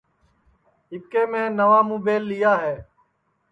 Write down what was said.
اِٻکے میں نئوا مُبیل لیا ہے